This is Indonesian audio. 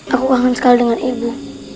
aku kangen sekali dengan ibu